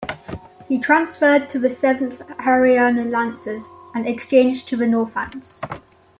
He transferred to the Seventh Hariana Lancers, and exchanged to the Northants.